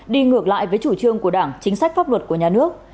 đi ngược lại với chủ trương của đảng chính sách pháp luật của nhà nước